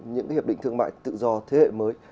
những hiệp định thương mại tự do thế hệ mới